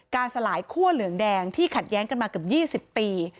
การสลายขั้วเหลืองแดงที่ขัดแย้งกันมากับยี่สิบปี